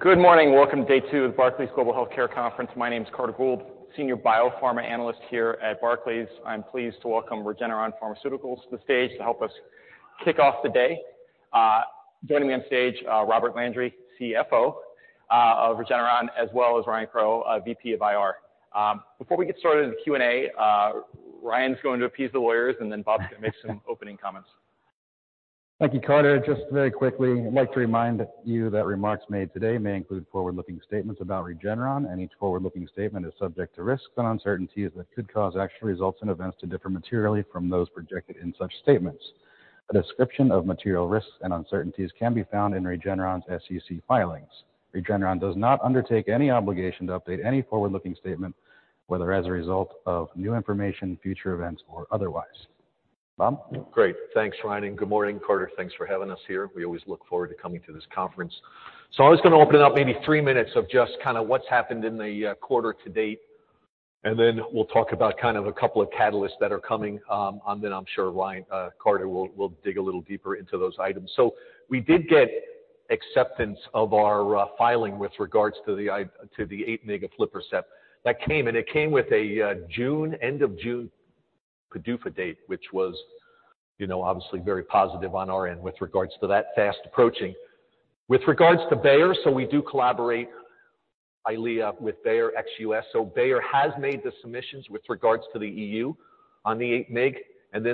Good morning. Welcome to day two of the Barclays Global Healthcare Conference. My name is Carter Gould, Senior Biopharma Analyst here at Barclays. I'm pleased to welcome Regeneron Pharmaceuticals to the stage to help us kick off the day. Joining me on stage, Robert Landry, CFO, of Regeneron, as well as Ryan Crowe, VP of IR. Before we get started in the Q&A, Ryan's going to appease the lawyers, and then Bob's gonna make some opening comments. Thank you, Carter. Just very quickly, I'd like to remind you that remarks made today may include forward-looking statements about Regeneron, each forward-looking statement is subject to risks and uncertainties that could cause actual results and events to differ materially from those projected in such statements. A description of material risks and uncertainties can be found in Regeneron's SEC filings. Regeneron does not undertake any obligation to update any forward-looking statement, whether as a result of new information, future events, or otherwise. Bob? Great. Thanks, Ryan. Good morning, Carter. Thanks for having us here. We always look forward to coming to this conference. I was gonna open it up maybe three minutes of just kind of what's happened in the quarter to date, and then we'll talk about kind of a couple of catalysts that are coming, and then I'm sure Ryan, Carter will dig a little deeper into those items. We did get acceptance of our filing with regards to the 8 mg aflibercept. That came, and it came with a June, end of June PDUFA date, which was, you know, obviously very positive on our end with regards to that fast approaching. With regards to Bayer, we do collaborate EYLEA with Bayer ex-U.S. Bayer has made the submissions with regards to the EU on the 8 mg.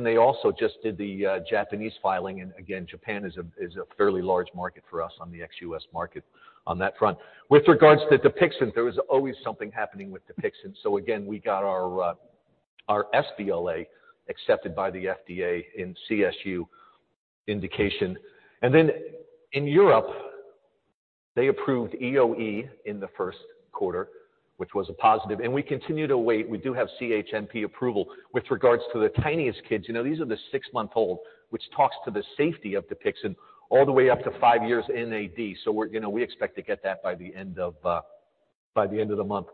They also just did the Japanese filing. Japan is a fairly large market for us on the ex-U.S. market on that front. With regards to DUPIXENT, there was always something happening with DUPIXENT. We got our sBLA accepted by the FDA in CSU indication. In Europe, they approved EoE in the first quarter, which was a positive. We continue to wait. We do have CHMP approval with regards to the tiniest kids. You know, these are the six month-old, which talks to the safety of DUPIXENT all the way up to five years in AD. You know, we expect to get that by the end of the month.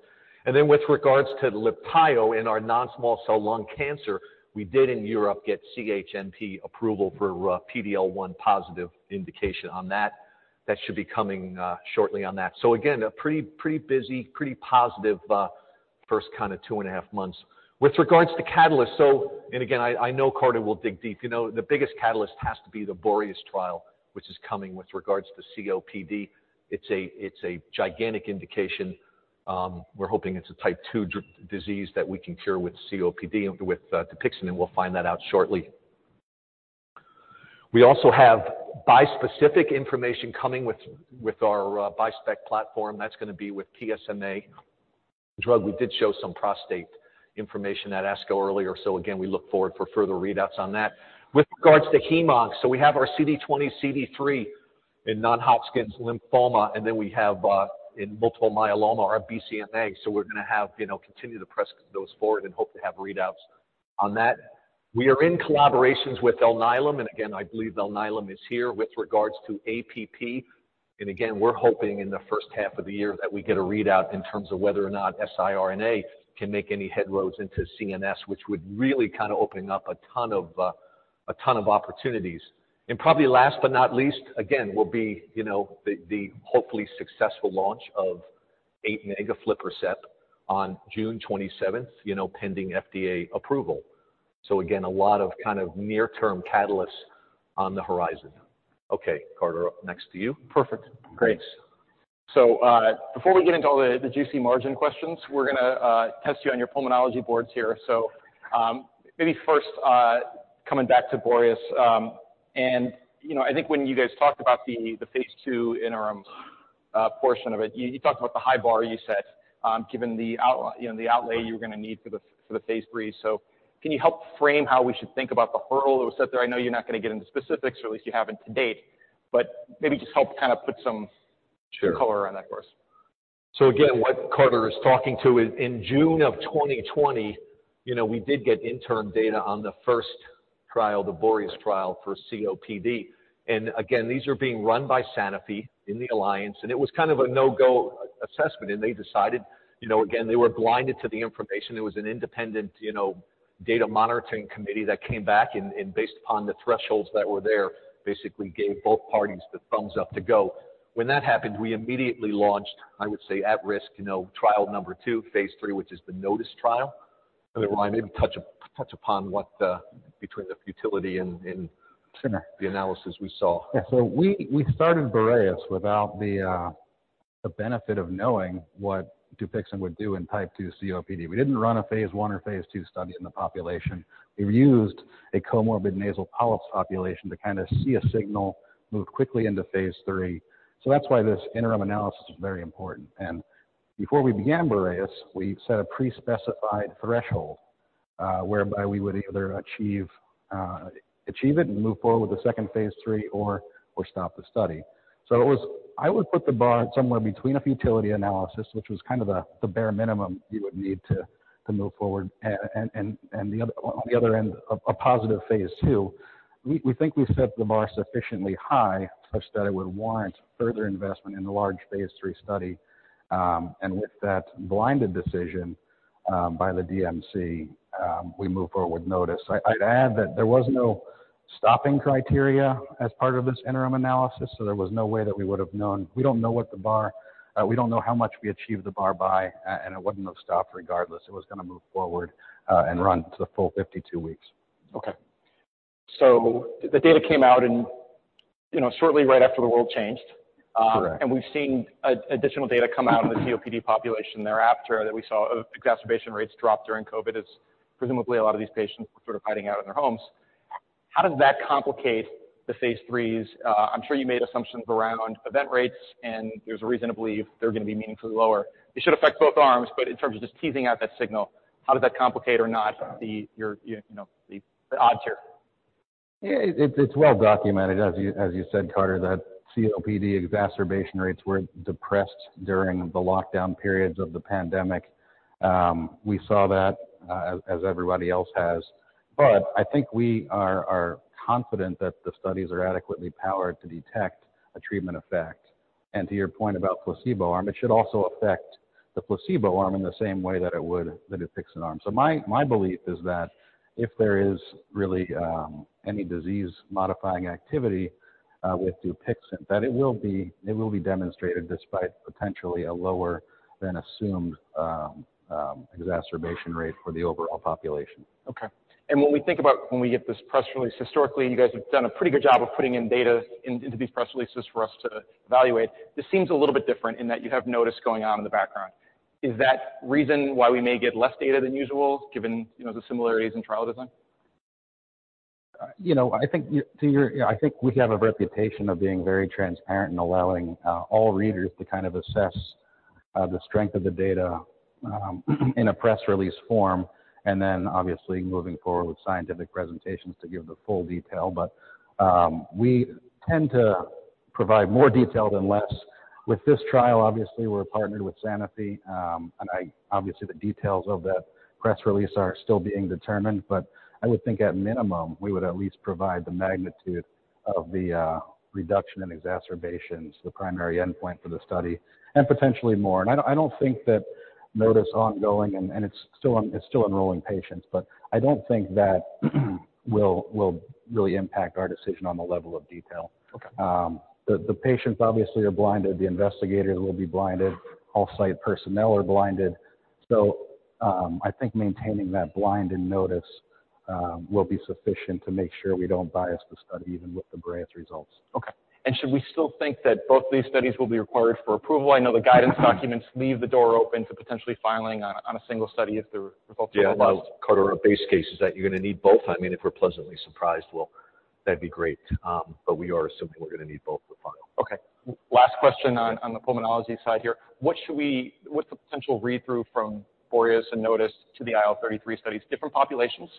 With regards to LIBTAYO in our non-small cell lung cancer, we did in Europe get CHMP approval for PD-L1 positive indication on that. That should be coming shortly on that. Again, a pretty busy, pretty positive first kind of two and a half months. With regards to catalysts. Again, I know Carter will dig deep. You know, the biggest catalyst has to be the BOREAS trial, which is coming with regards to COPD. It's a gigantic indication. We're hoping it's a type 2 disease that we can cure with COPD with DUPIXENT, and we'll find that out shortly. We also have bispecific information coming with our bispecific platform that's gonna be with PSMA drug. We did show some prostate information at ASCO earlier. Again, we look forward for further readouts on that. With regards to Hematology/Oncology, we have our CD20xCD3 in non-Hodgkin lymphoma, and then we have in multiple myeloma, our BCMA. We're gonna have, you know, continue to press those forward and hope to have readouts on that. We are in collaborations with Alnylam, and again, I believe Alnylam is here with regards to APP. Again, we're hoping in the first half of the year that we get a readout in terms of whether or not siRNA can make any head roads into CNS, which would really kind of open up a ton of a ton of opportunities. Probably last but not least, again, will be, you know, the hopefully successful launch of 8 mg aflibercept on June 27th, you know, pending FDA approval. Again, a lot of kind of near-term catalysts on the horizon. Okay, Carter, next to you. Perfect. Great. Before we get into all the juicy margin questions, we're gonna test you on your pulmonology boards here. Maybe first, coming back to BOREAS, and, you know, I think when you guys talked about the phase II interim portion of it, you talked about the high bar you set, given you know, the outlay you were gonna need for the, for the phase III. Can you help frame how we should think about the hurdle that was set there? I know you're not gonna get into specifics, or at least you haven't to date, but maybe just help kind of put some-. Sure. color on that for us. Again, what Carter is talking to is in June of 2020, you know, we did get interim data on the first trial, the BOREAS trial for COPD. Again, these are being run by Sanofi in the alliance, and it was kind of a no-go assessment. They decided, you know, again, they were blinded to the information. It was an independent, you know, data monitoring committee that came back and based upon the thresholds that were there, basically gave both parties the thumbs up to go. When that happened, we immediately launched, I would say, at-risk, you know, trial number two, phase III, which is the NOTICE trial. By the way, Ryan, maybe touch upon what the, between the futility and- Sure. the analysis we saw. Yeah. We started BOREAS without the benefit of knowing what DUPIXENT would do in type 2 COPD. We didn't run a phase I or phase II study in the population. We used a comorbid nasal polyps population to kind of see a signal move quickly into phase III. That's why this interim analysis is very important. Before we began BOREAS, we set a pre-specified threshold whereby we would either achieve it and move forward with the second phase III or stop the study. I would put the bar somewhere between a futility analysis, which was kind of the bare minimum you would need to move forward. And the other on the other end, a positive phase II. We think we set the bar sufficiently high such that it would warrant further investment in the large phase III study. With that blinded decision by the DMC, we move forward with NOTICE. I'd add that there was no stopping criteria as part of this interim analysis. There was no way that we would have known. We don't know how much we achieved the bar by, and it wouldn't have stopped regardless. It was going to move forward and run to the full 52 weeks. Okay. The data came out and, you know, shortly right after the world changed. Correct. We've seen additional data come out of the COPD population thereafter that we saw exacerbation rates drop during COVID as presumably a lot of these patients were sort of hiding out in their homes. How does that complicate the phase III? I'm sure you made assumptions around event rates, and there's a reason to believe they're going to be meaningfully lower. It should affect both arms, but in terms of just teasing out that signal, how does that complicate or not your, you know, the odds here? Yeah. It's well documented, as you said, Carter, that COPD exacerbation rates were depressed during the lockdown periods of the pandemic. We saw that as everybody else has. I think we are confident that the studies are adequately powered to detect a treatment effect. To your point about placebo arm, it should also affect the placebo arm in the same way that it would the DUPIXENT arm. My belief is that if there is really any disease-modifying activity with DUPIXENT, that it will be demonstrated despite potentially a lower-than-assumed exacerbation rate for the overall population. Okay. When we think about when we get this press release, historically, you guys have done a pretty good job of putting in data into these press releases for us to evaluate. This seems a little bit different in that you have NOTICE going on in the background. Is that reason why we may get less data than usual, given, you know, the similarities in trial design? You know, I think to your I think we have a reputation of being very transparent and allowing all readers to kind of assess the strength of the data in a press release form, and then obviously moving forward with scientific presentations to give the full detail. We tend to provide more detail than less. With this trial, obviously, we're partnered with Sanofi, and obviously, the details of that press release are still being determined. I would think at minimum, we would at least provide the magnitude of the reduction in exacerbations, the primary endpoint for the study, and potentially more. I don't think that NOTICE ongoing and it's still enrolling patients, but I don't think that will really impact our decision on the level of detail. Okay. The patients obviously are blinded. The investigators will be blinded. All site personnel are blinded. I think maintaining that blind and NOTICE will be sufficient to make sure we don't bias the study even with the BOREAS results. Okay. Should we still think that both of these studies will be required for approval? I know the guidance documents leave the door open to potentially filing on a single study if the results are robust. Yeah. Carter, our base case is that you're going to need both. I mean, if we're pleasantly surprised, well, that'd be great. We are assuming we're going to need both for final. Okay. Last question on the pulmonology side here. What's the potential read-through from BOREAS and NOTICE to the IL-33 studies? Different populations,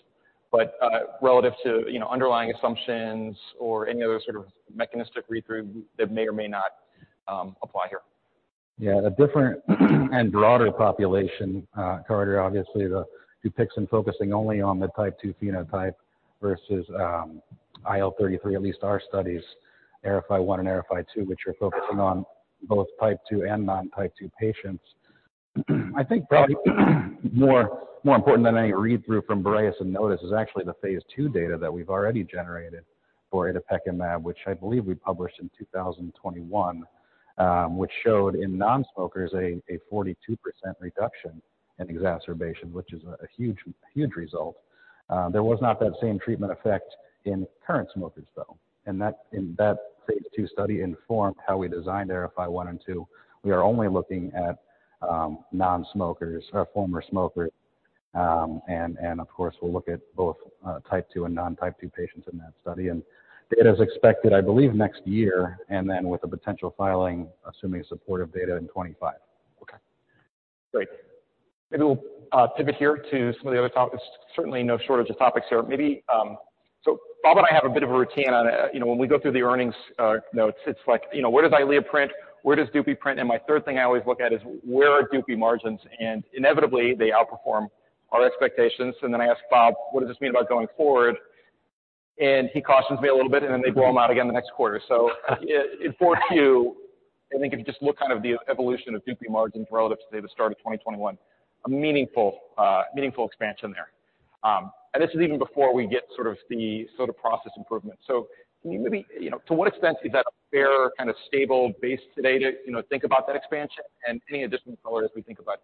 but, relative to, you know, underlying assumptions or any other sort of mechanistic read-through that may or may not apply here. A different and broader population, Carter, obviously, the DUPIXENT focusing only on the type 2 phenotype versus IL-33, at least our studies, AERIFY-1 and AERIFY-2, which are focusing on both type 2 and non-type 2 patients. I think probably more important than any read-through from BOREAS and NOTICE is actually the phase II data that we've already generated for dupilumab, which I believe we published in 2021, which showed in non-smokers a 42% reduction in exacerbation, which is a huge, huge result. There was not that same treatment effect in current smokers, though. That phase II study informed how we designed AERIFY-1 and II. We are only looking at non-smokers or former smokers. Of course, we'll look at both type 2 and non-type 2 patients in that study. And data is expected, I believe, next year, and then with a potential filing, assuming supportive data in 2025. Okay. Great. Maybe we'll pivot here to some of the other topics. There's certainly no shortage of topics here. Maybe, Bob and I have a bit of a routine on, you know, when we go through the earnings notes. It's like, you know, where does EYLEA print? Where does Dupixent print? My third thing I always look at is where are Dupixent margins? Inevitably they outperform our expectations. Then I ask Bob, "What does this mean about going forward?" He cautions me a little bit, and then they blow them out again the next quarter. In 4Q, I think if you just look kind of the evolution of Dupixent margins relative, say, the start of 2021, a meaningful expansion there. This is even before we get sort of the SOTA process improvement. Can you maybe, you know, to what extent is that a fair kind of stable base today to, you know, think about that expansion and any additional color as we think about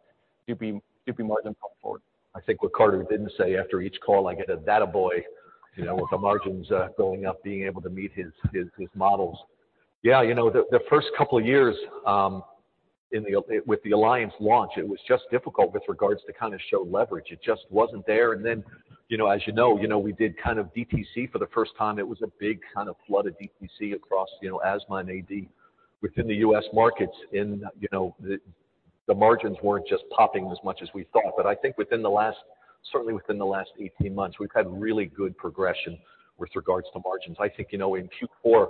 DUPIXENT margins going forward? I think what Carter didn't say after each call, I get attaboy, you know, with the margins going up, being able to meet his models. Yeah, you know, the first couple of years, with the alliance launch, it was just difficult with regards to kind of show leverage. It just wasn't there. You know, as you know, we did kind of DTC for the first time. It was a big kind of flood of DTC across, you know, asthma and AD within the U.S. markets. You know, the margins weren't just popping as much as we thought. I think certainly within the last 18 months, we've had really good progression with regards to margins. I think, you know, in Q4,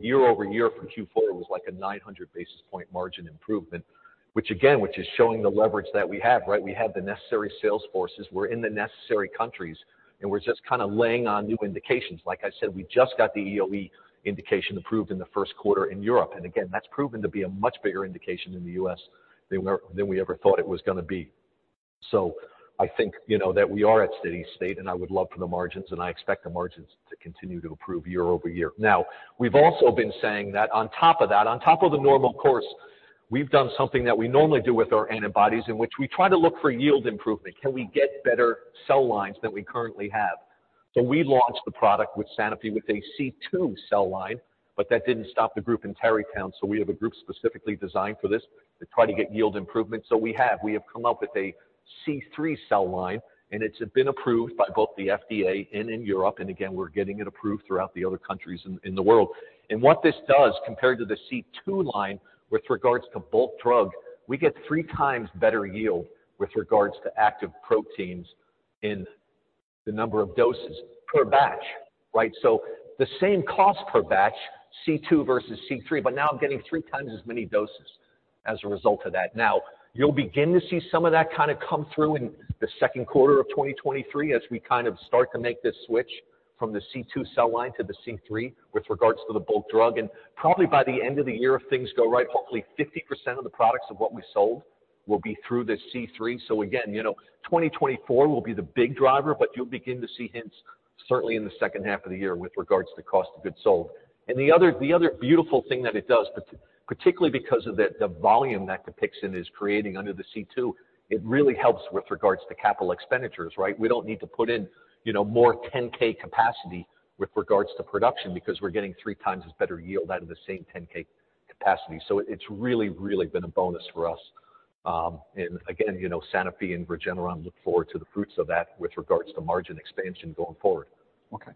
year-over-year from Q4, it was like a 900 basis point margin improvement, which again is showing the leverage that we have, right? We have the necessary sales forces. We're in the necessary countries. We're just kind of laying on new indications. Like I said, we just got the EoE indication approved in the first quarter in Europe. Again, that's proven to be a much bigger indication in the U.S. than we ever thought it was going to be. I think, you know, that we are at steady state, and I would love for the margins, and I expect the margins to continue to improve year-over-year. We've also been saying that on top of that, on top of the normal course, we've done something that we normally do with our antibodies in which we try to look for yield improvement. Can we get better cell lines than we currently have? We launched the product with Sanofi with a C2 cell line, but that didn't stop the group in Tarrytown. We have a group specifically designed for this to try to get yield improvement. We have come up with a C3 cell line, and it's been approved by both the FDA and in Europe. Again, we're getting it approved throughout the other countries in the world. What this does, compared to the C2 line with regards to bulk drug, we get three times better yield with regards to active proteins in the number of doses per batch, right? The same cost per batch, C2 versus C3, but now I'm getting three times as many doses as a result of that. You'll begin to see some of that kind of come through in the second quarter of 2023 as we kind of start to make this switch from the C2 cell line to the C3 with regards to the bulk drug. Probably by the end of the year, if things go right, hopefully 50% of the products of what we sold will be through the C3. Again, you know, 2024 will be the big driver, but you'll begin to see hints certainly in the second half of the year with regards to cost of goods sold. The other beautiful thing that it does, particularly because of the volume that DUPIXENT is creating under the C2, it really helps with regards to capital expenditures, right? We don't need to put in, you know, more 10,000 capacity with regards to production because we're getting three times as better yield out of the same 10,000 capacity. It's really, really been a bonus for us. Again, you know, Sanofi and Regeneron look forward to the fruits of that with regards to margin expansion going forward. Okay.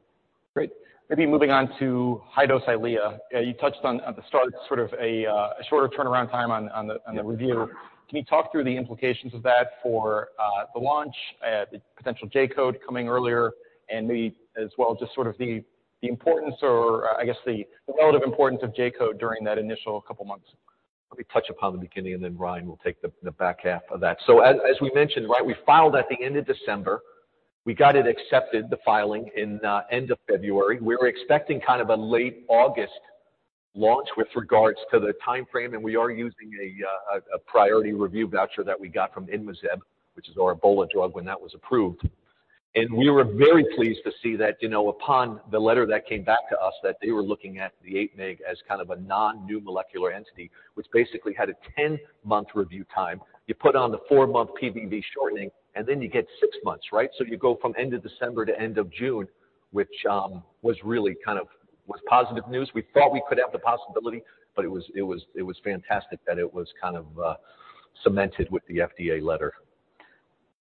Great. Maybe moving on to high-dose EYLEA. You touched on at the start sort of a shorter turnaround time on the review. Can you talk through the implications of that for the launch, the potential J-code coming earlier, and maybe as well, just sort of the importance or I guess the relative importance of J-code during that initial couple months? Let me touch upon the beginning, and then Ryan will take the back half of that. As, as we mentioned, right, we filed at the end of December. We got it accepted, the filing, in end of February. We were expecting kind of a late August launch with regards to the timeframe, and we are using a priority review voucher that we got from INMAZEB, which is our Ebola drug, when that was approved. We were very pleased to see that, you know, upon the letter that came back to us that they were looking at the 8 mg as kind of a new molecular entity, which basically had a 10-month review time. You put on the four-month PRV shortening, and then you get six months, right? You go from end of December to end of June, which was really kind of positive news. We thought we could have the possibility, but it was fantastic that it was kind of cemented with the FDA letter.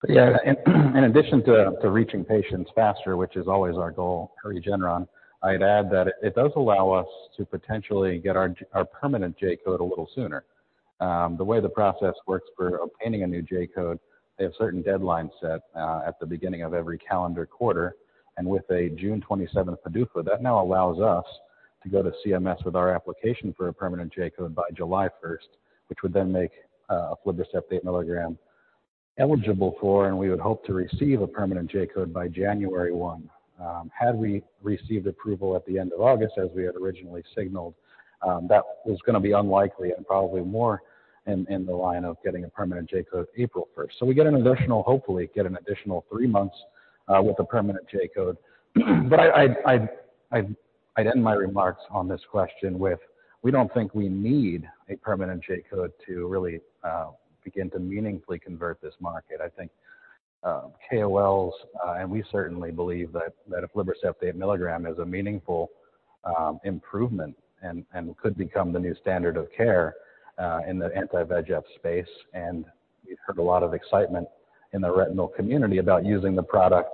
In addition to reaching patients faster, which is always our goal at Regeneron, I'd add that it does allow us to potentially get our permanent J-code a little sooner. The way the process works for obtaining a new J-code, they have certain deadlines set at the beginning of every calendar quarter. With a June 27th PDUFA, that now allows us to go to CMS with our application for a permanent J-code by July 1st, which would then make aflibercept 8 mg eligible for, and we would hope to receive a permanent J-code by January 1st. Had we received approval at the end of August as we had originally signaled, that was gonna be unlikely and probably more in the line of getting a permanent J-code April 1st. We get an additional... hopefully get an additional three months with a permanent J-code. I'd end my remarks on this question with, we don't think we need a permanent J-code to really begin to meaningfully convert this market. I think KOLs, and we certainly believe that aflibercept 8 mg is a meaningful improvement and could become the new standard of care in the anti-VEGF space. We've heard a lot of excitement in the retinal community about using the product.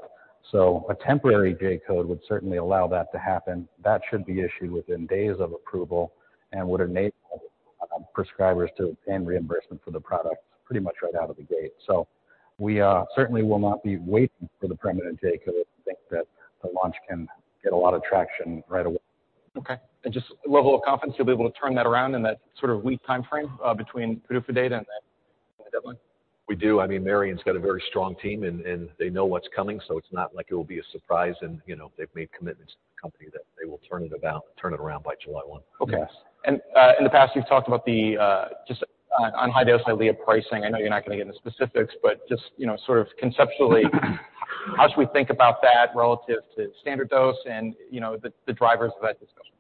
A temporary J-code would certainly allow that to happen. That should be issued within days of approval and would enable prescribers to obtain reimbursement for the product pretty much right out of the gate. We certainly will not be waiting for the permanent J-code. I think that the launch can get a lot of traction right away. Okay. Just level of confidence you'll be able to turn that around in that sort of week timeframe, between PDUFA date and that July deadline? We do. I mean, Marion's got a very strong team, and they know what's coming, so it's not like it will be a surprise. You know, they've made commitments to the company that they will turn it around by July 1. Okay. In the past, you've talked about the, just on high-dose EYLEA pricing. I know you're not gonna get into specifics, but just, you know, sort of conceptually, how should we think about that relative to standard dose and, you know, the drivers of that discussion?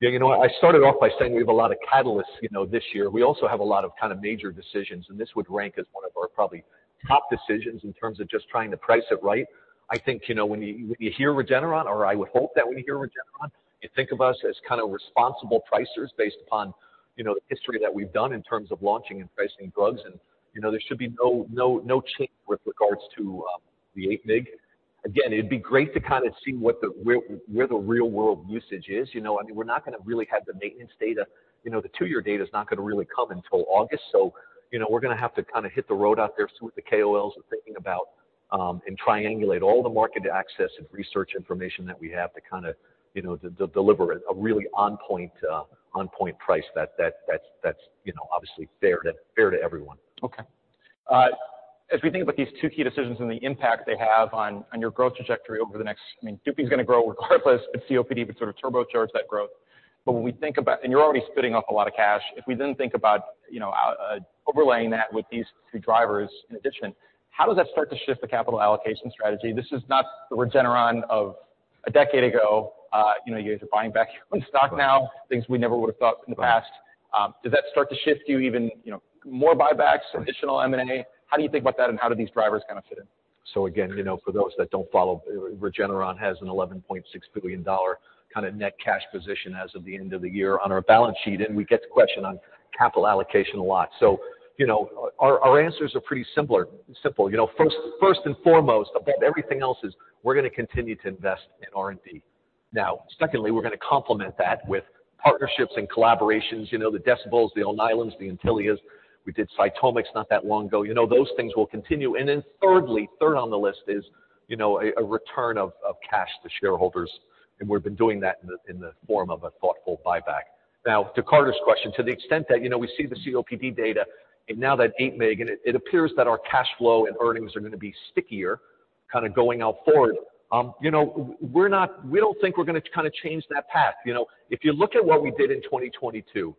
You know what? I started off by saying we have a lot of catalysts, you know, this year. We also have a lot of kind of major decisions, and this would rank as one of our probably top decisions in terms of just trying to price it right. I think, you know, when you hear Regeneron, or I would hope that when you hear Regeneron, you think of us as kind of responsible pricers based upon, you know, the history that we've done in terms of launching and pricing drugs. You know, there should be no change with regards to the 8 mg. Again, it'd be great to kinda see what where the real-world usage is. You know, I mean, we're not gonna really have the maintenance data. You know, the two-year data is not gonna really come until August. you know, we're gonna have to kinda hit the road out there, see what the KOLs are thinking about, and triangulate all the market access and research information that we have to kinda, you know, deliver a really on point, on point price that's, you know, obviously fair to everyone. As we think about these two key decisions and the impact they have on your growth trajectory over the next... I mean, DUPIXENT's gonna grow regardless with COPD, but sort of turbocharge that growth. But when we think about, and you're already spitting up a lot of cash. If we then think about, you know, overlaying that with these two drivers in addition, how does that start to shift the capital allocation strategy? This is not the Regeneron of a decade ago. You know, you guys are buying back your own stock now, things we never would have thought in the past. Does that start to shift to even, you know, more buybacks, additional M&A? How do you think about that, and how do these drivers kind of fit in? So, again, you know, for those that don't follow, Regeneron has an $11.6 billion kinda net cash position as of the end of the year on our balance sheet, and we get the question on capital allocation a lot. you know, our answers are pretty simple. First and foremost, above everything else, is we're gonna continue to invest in R&D. Secondly, we're gonna complement that with partnerships and collaborations. The Decibels, the Alnylam, the Intellia. We did CytomX not that long ago. Those things will continue. Thirdly, third on the list is, you know, a return of cash to shareholders, and we've been doing that in the form of a thoughtful buyback. To Carter's question, to the extent that, you know, we see the COPD data and now that 8 mg, it appears that our cash flow and earnings are gonna be stickier kind of going out forward. You know, we don't think we're gonna kinda change that path. You know, if you look at what we did in 2022,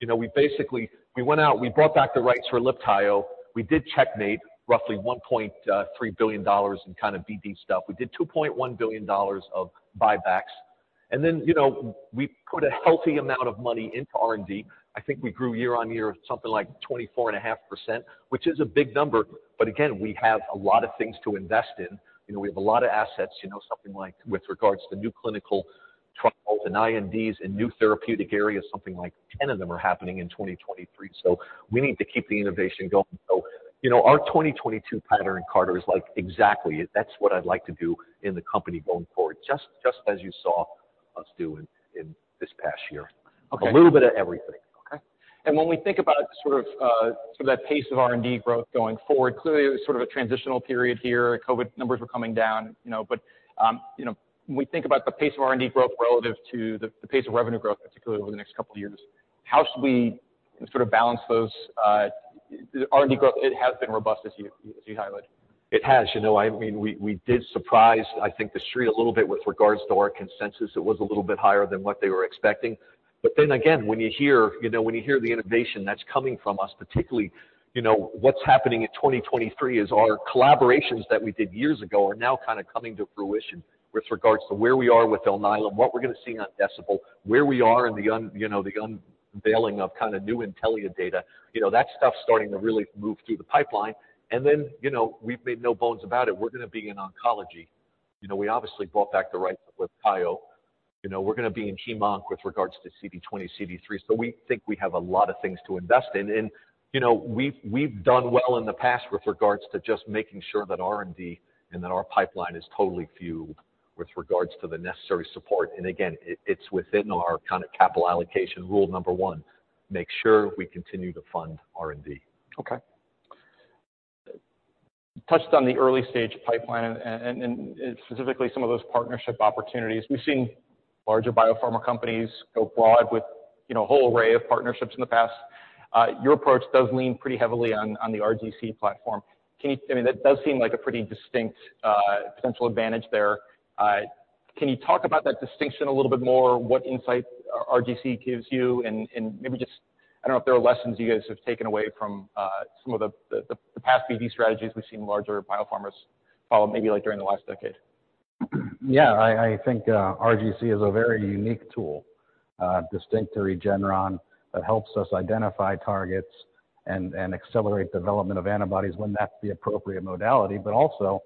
you know, we basically, we went out, we brought back the rights for LIBTAYO. We did Checkmate Pharmaceuticals, roughly $1.3 billion in kind of BD stuff. We did $2.1 billion of buybacks. You know, we put a healthy amount of money into R&D. I think we grew year-on-year something like 24.5%, which is a big number. Again, we have a lot of things to invest in. You know, we have a lot of assets, you know, something like with regards to new clinical trials and INDs in new therapeutic areas, something like 10 of them are happening in 2023. We need to keep the innovation going. You know, our 2022 pattern, Carter, is like exactly. That's what I'd like to do in the company going forward. Just as you saw us do in this past year. Okay. A little bit of everything. Okay. When we think about sort of, sort of that pace of R&D growth going forward, clearly, it was sort of a transitional period here. COVID numbers were coming down, you know, but, you know, when we think about the pace of R&D growth relative to the pace of revenue growth, particularly over the next couple of years, how should we sort of balance those? R&D growth, it has been robust, as you highlighted. It has. You know, I mean, we did surprise, I think, the street a little bit with regards to our consensus. It was a little bit higher than what they were expecting. Again, when you hear, you know, when you hear the innovation that's coming from us, particularly, you know, what's happening in 2023 is our collaborations that we did years ago are now kinda coming to fruition with regards to where we are with Alnylam, what we're gonna see on Decibel, where we are in the you know, the unveiling of kinda new Intellia data. You know, that stuff's starting to really move through the pipeline. You know, we've made no bones about it. We're gonna be in oncology. You know, we obviously brought back the rights with LIBTAYO. You know, we're gonna be in Hematology/Oncology with regards to CD20xCD3. We think we have a lot of things to invest in. You know, we've done well in the past with regards to just making sure that R&D and that our pipeline is totally fueled with regards to the necessary support. Again, it's within our kinda capital allocation rule number one, make sure we continue to fund R&D. Okay. You touched on the early-stage pipeline and specifically some of those partnership opportunities. We've seen larger biopharma companies go broad with, you know, a whole array of partnerships in the past. Your approach does lean pretty heavily on the RGC platform. Can you... I mean, that does seem like a pretty distinct potential advantage there. Can you talk about that distinction a little bit more, what insight RGC gives you and maybe just... I don't know if there are lessons you guys have taken away from some of the past BD strategies we've seen larger biopharmas follow maybe, like, during the last decade. I think RGC is a very unique tool, distinct to Regeneron that helps us identify targets and accelerate development of antibodies when that's the appropriate modality. Also,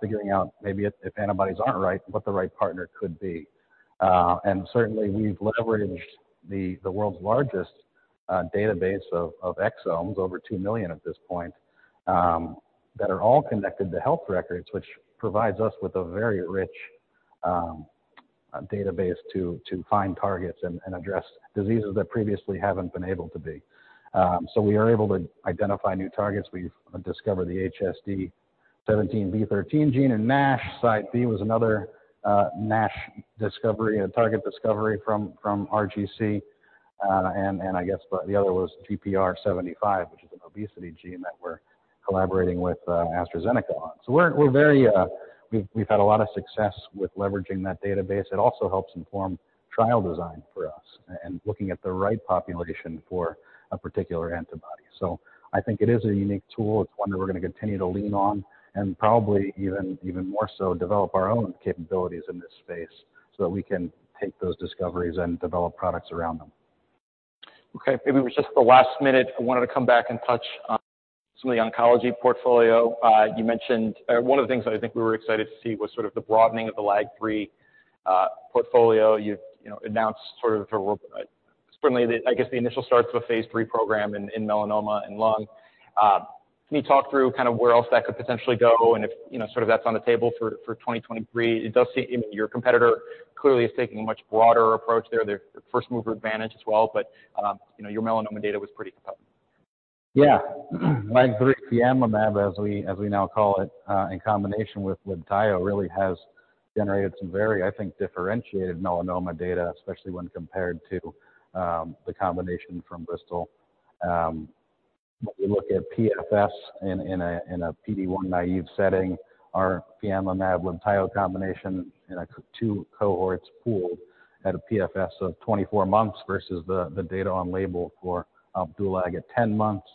figuring out maybe if antibodies aren't right, what the right partner could be. Certainly we've leveraged the world's largest database of exomes, over 2 million at this point, that are all connected to health records, which provides us with a very rich database to find targets and address diseases that previously haven't been able to be. We are able to identify new targets. We've discovered the HSD17B13 gene in NASH. CIDEB was another NASH discovery, a target discovery from RGC. I guess the other was GPR75, which is an obesity gene that we're collaborating with AstraZeneca on. We're very, we've had a lot of success with leveraging that database. It also helps inform trial design for us and looking at the right population for a particular antibody. I think it is a unique tool. It's one that we're gonna continue to lean on and probably even more so develop our own capabilities in this space so that we can take those discoveries and develop products around them. Maybe just for last minute, I wanted to come back and touch on some of the oncology portfolio. You mentioned... One of the things that I think we were excited to see was sort of the broadening of the LAG-3 portfolio. You've, you know, announced certainly the, I guess, the initial start to a phase III program in melanoma and lung. Can you talk through kind of where else that could potentially go and if, you know, sort of that's on the table for 2023? It does seem your competitor clearly is taking a much broader approach there. They're first mover advantage as well, but, you know, your melanoma data was pretty compelling. LAG-3 fianlimab, as we now call it, in combination with LIBTAYO really has generated some very, I think, differentiated melanoma data, especially when compared to the combination from Bristol. When we look at PFS in a PD-1-naive setting, our fianlimab LIBTAYO combination in two cohorts pooled at a PFS of 24 months versus the data on label for Opdualag at 10 months.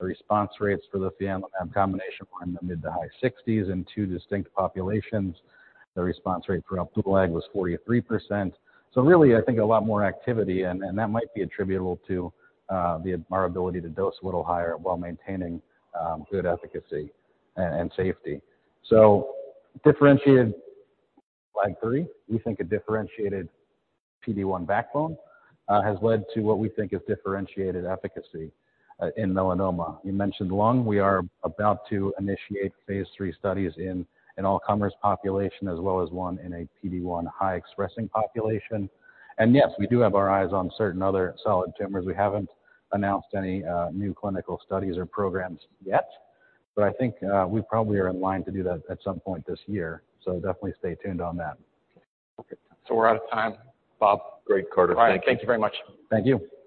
The response rates for the fianlimab combination were in the mid-to-high 60s in two distinct populations. The response rate for Opdualag was 43%. Really, I think a lot more activity, and that might be attributable to our ability to dose a little higher while maintaining good efficacy and safety. Differentiated LAG-3, we think a differentiated PD-1 backbone has led to what we think is differentiated efficacy in melanoma. You mentioned lung. We are about to initiate phase III studies in an all-comers population as well as one in a PD-1 high expressing population. Yes, we do have our eyes on certain other solid tumors. We haven't announced any new clinical studies or programs yet, but I think we probably are in line to do that at some point this year. Definitely stay tuned on that. Okay. We're out of time. Bob. Great, Carter. Thank you. All right. Thank you very much. Thank you.